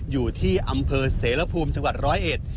อยู่ที่อำเภอเสรภูมิจังหวัดร้อยเอ็ด